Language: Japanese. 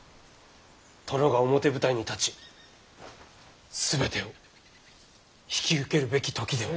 殿が表舞台に立ち全てを引き受けるべき時では。